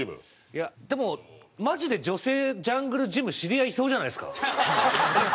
いやでもマジで女性ジャングルジム知り合いいそうじゃないですか。